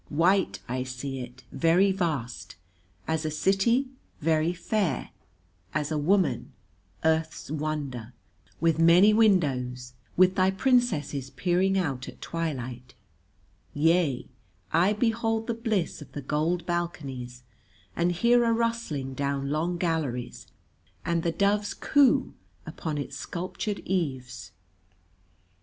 White I see it, very vast, as a city, very fair, as a woman, Earth's wonder, with many windows, with thy princesses peering out at twilight; yea, I behold the bliss of the gold balconies, and hear a rustling down long galleries and the doves' coo upon its sculptured eaves.